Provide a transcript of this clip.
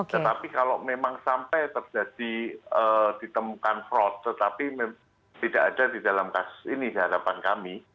tetapi kalau memang sampai terjadi ditemukan fraud tetapi tidak ada di dalam kasus ini di hadapan kami